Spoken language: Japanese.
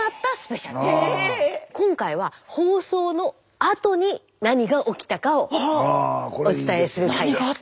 今回は放送のあとに何が起きたかをお伝えする回です。